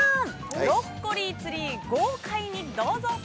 ブロッコリーツリー、豪快にどうぞ。